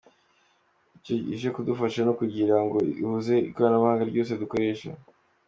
Ati” Icyo ije kudufasha ni ukugira ngo ihuze ikoranabuhanga ryose dukoresha.